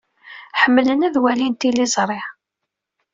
Ḥemmlen ad walin tiliẓri.